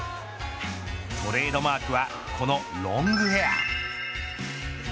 トレードマークはこのロングヘア。